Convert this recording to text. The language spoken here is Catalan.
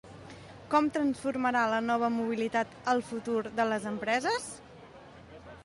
Com transformarà la nova mobilitat el futur de les empreses?